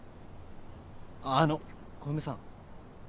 あの小梅さん